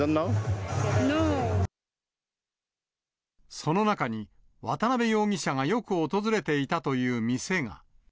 その中に、渡辺容疑者がよく訪れていたという店が。